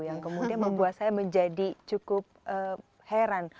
yang kemudian membuat saya menjadi cukup heran